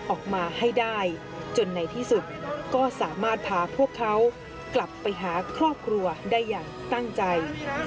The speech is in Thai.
ออกมาให้ได้จนในที่สุดก็สามารถพาพวกเขากลับไปหาครอบครัวได้อย่างตั้งใจ